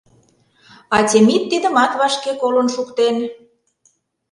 А Темит тидымат вашке колын шуктен.